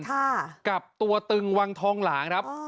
ค่ะกับตัวตึงวังทองหลางครับ